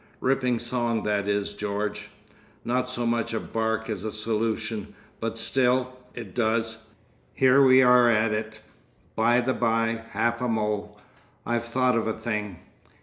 "Ripping song that is, George. Not so much a bark as a solution, but still—it does! Here we are at it! By the by! Half a mo'! I've thought of a thing."